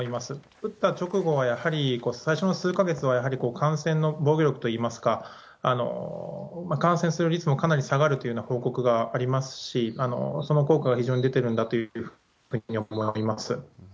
打った直後はやはり、最初の数か月はやはり感染の防御力といいますか、感染する率もかなり下がるというような報告がありますし、その効果が非常に出てるんだというふうに思います。